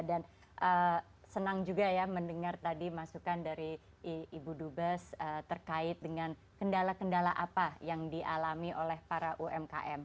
dan senang juga ya mendengar tadi masukan dari ibu dubes terkait dengan kendala kendala apa yang dialami oleh para umkm